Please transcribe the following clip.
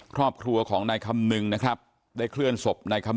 ครอบครัวของนายคำนึงได้เคลื่อนศพ